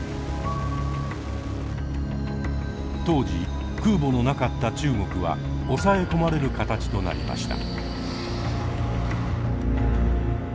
当時空母のなかった中国は押さえ込まれる形となりました。